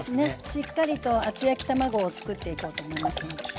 しっかりと厚焼き卵を作っていこうと思います。